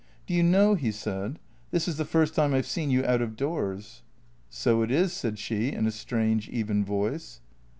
" Do you know," he said, " this is the first time I 've seen you out of doors." " So it is," said she in a strange, even voice.